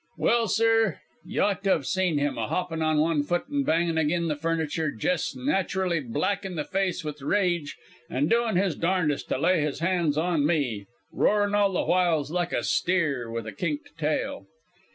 "Well, sir, y'ought to have seen him, a hoppin' on one foot, and banging agin the furniture, jes' naturally black in the face with rage, an' doin' his darnedest to lay his hands on me, roarin' all the whiles like a steer with a kinked tail.